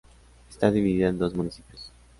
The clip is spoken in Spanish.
Está dividida en dos municipios.